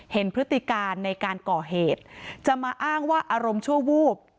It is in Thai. พฤติการในการก่อเหตุจะมาอ้างว่าอารมณ์ชั่ววูบ